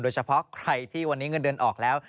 โดยเฉพาะใครที่วันนี้เงินเดือนออกแล้ว